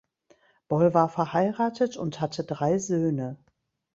Boll war verheiratet und hatte drei Söhne.